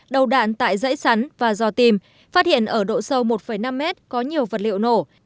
đầu đạn tại dãy sắn và do tìm phát hiện ở độ sâu một năm mét có nhiều vật liệu nổ